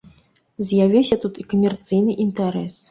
З'явіўся тут і камерцыйны інтарэс.